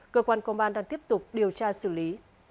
cơ quan công an đang tiếp tục điều tra xử lý